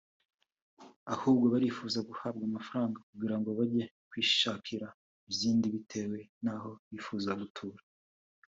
ahubwo barifuza guhabwa amafaranga kugira ngo bajye kwishakira izindi bitewe n’aho bifuza gutura